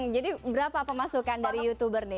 jadi berapa pemasukan dari youtuber nih